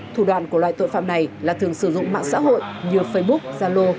thủ đoàn của loại tội phạm này là thường sử dụng mạng xã hội như facebook zalo